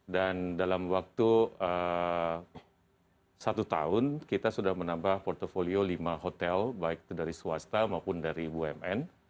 dan dalam waktu satu tahun kita sudah menambah portfolio lima hotel baik itu dari swasta maupun dari bumn